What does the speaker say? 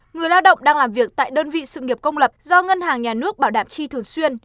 người lao động đang làm việc tại đơn vị sự nghiệp công lập do ngân hàng nhà nước bảo đảm chi thường xuyên